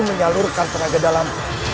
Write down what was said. menyalurkan tenaga dalam